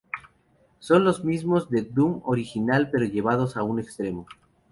Son los mismos del Doom original, pero llevados a un extremo.